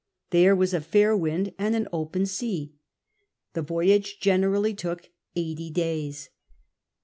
Thci'e was a fair wind and an open sea. The voyage generally took eighty days.